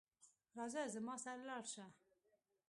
راځه زما سره لاړ شه